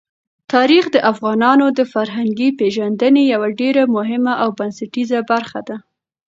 تاریخ د افغانانو د فرهنګي پیژندنې یوه ډېره مهمه او بنسټیزه برخه ده.